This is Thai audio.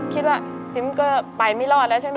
คิดว่าซิมก็ไปไม่รอดแล้วใช่ไหม